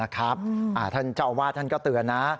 ท่านเจ้าอาวาสท่านก็เตือนนะ